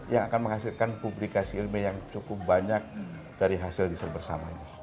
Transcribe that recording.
yang akan menghasilkan publikasi ilmiah yang cukup banyak dari hasil riset bersama ini